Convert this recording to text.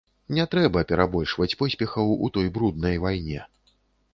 Не трэба перабольшваць поспехаў у той бруднай вайне.